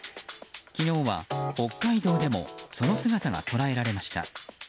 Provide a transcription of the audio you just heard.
昨日は北海道でもその姿が捉えられました。